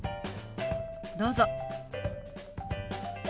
どうぞ。